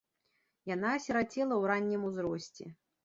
Яна асірацела ў раннім узросце.